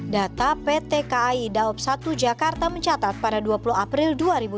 data pt kai daob satu jakarta mencatat pada dua puluh april dua ribu dua puluh